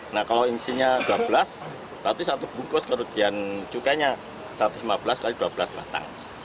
nah kalau isinya dua belas berarti satu bungkus kerugian cukainya satu ratus lima belas x dua belas batang